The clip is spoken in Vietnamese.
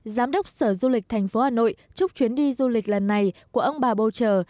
giám đốc sở du lịch thành phố hà nội chúc chuyến đi du lịch lần này của ông bà boucher